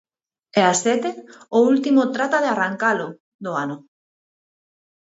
E ás sete, o último Trata de Arrancalo do ano.